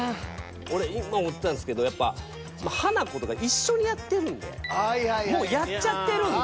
俺今も思ってたんですけどやっぱハナコとかもうやっちゃってるんで。